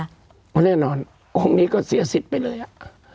น่ะก็เนินอนงค์นี้ก็เสียสิทธิ์ไปเลยอ่ะ